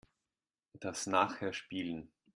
Das nachher spielen.